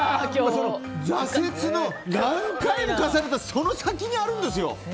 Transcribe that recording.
挫折の何回も重ねたその先にあるんですよ。